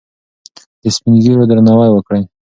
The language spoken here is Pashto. د سپین ږیرو درناوی وکړئ.